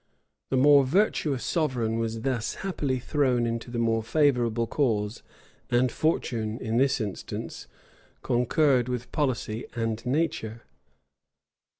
The more virtuous sovereign was thus happily thrown into the more favorable cause; and fortune, in this instance, concurred with policy and nature.